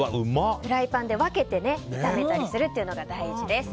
フライパンで分けて炒めたりするのが大事です。